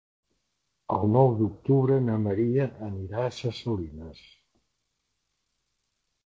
El nou d'octubre na Maria anirà a Ses Salines.